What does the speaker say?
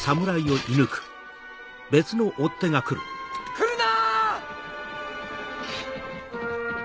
来るな！